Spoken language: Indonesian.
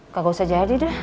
gak usah jadi deh